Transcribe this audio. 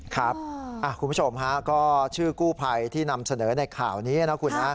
คุณผู้ชมฮะก็ชื่อกู้ภัยที่นำเสนอในข่าวนี้นะคุณนะ